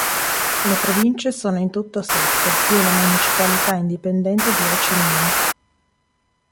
Le province sono in tutto sette, più la municipalità indipendente di Ho Chi Minh.